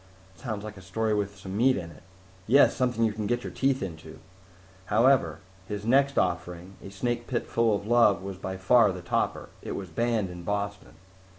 "Sounds like a story with some meat in it." "Yes! Something you can get your teeth into. However, his next offering, A Snake Pit Full of Love, was by far the topper. It was banned in Boston."